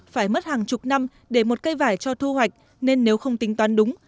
phải mất hàng chục năm để một cây vải cho thu hoạch nên nếu không tính toán đúng